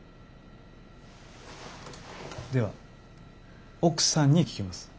では奥さんに聞きます。